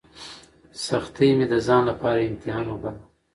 سختۍ مې د ځان لپاره امتحان وباله.